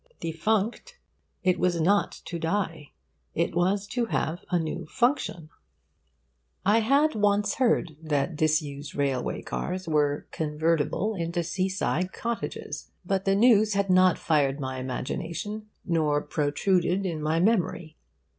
Defunct, it was not to die. It was to have a new function. I had once heard that disused railway cars were convertible into sea side cottages. But the news had not fired my imagination nor protruded in my memory.